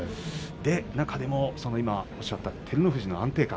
中でも今おっしゃった照ノ富士の安定感